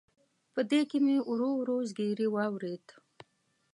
په دې کې مې ورو ورو زګیروي واورېد.